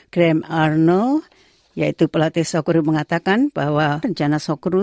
graham arnold yaitu pelatih sokoro mengatakan bahwa rencana sokoro